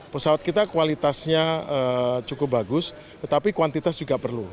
pesawat kita kualitasnya cukup bagus tetapi kuantitas juga perlu